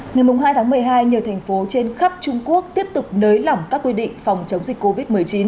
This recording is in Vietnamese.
ngày hai tháng một mươi hai nhiều thành phố trên khắp trung quốc tiếp tục nới lỏng các quy định phòng chống dịch covid một mươi chín